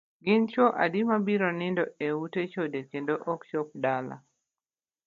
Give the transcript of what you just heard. Gin chuo adi mabiro nindo e ute chode kendo ok chop dala?